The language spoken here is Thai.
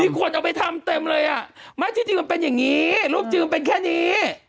คนเอาไปทำเต็มเลยอ่ะไม่ที่จริงมันเป็นอย่างนี้รูปจริงมันเป็นแค่นี้